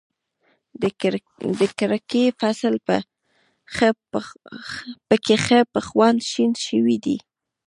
د کرکې فصل په کې ښه په خوند شین شوی دی.